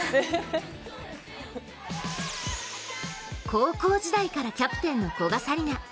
高校時代からキャプテンの古賀紗理那。